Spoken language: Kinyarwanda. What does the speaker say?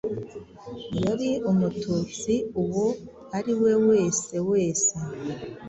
yari Umututsi uwo ariwe wese wese